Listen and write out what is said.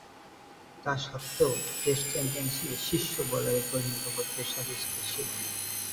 তাসত্ত্বেও, state চ্যাম্পিয়নশীপে শীর্ষ বোলারে পরিণত করতে সচেষ্ট ছিলেন।